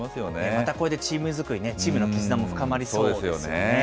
またこれでチーム作りに、チームの絆も深まりそうですよね。